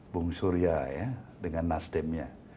bung surya ya dengan nasdemnya